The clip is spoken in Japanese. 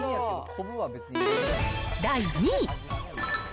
第２位。